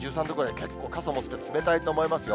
結構、傘持つ手、冷たいと思いますよ。